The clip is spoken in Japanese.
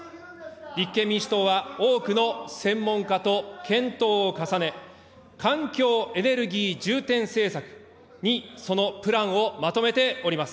立憲民主党は、多くの専門家と検討を重ね、環境エネルギー重点政策にそのプランをまとめております。